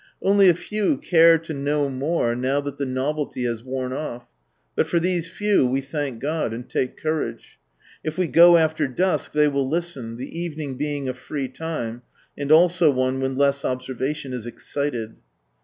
Only a few care to know more, now that the novelty has worn off; but for these few we thank God, and take courage. If we go after dusk they will listen, the evening being a free time, and also one when less observation is excited.